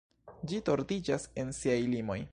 Ĝi tordiĝas en siaj limoj.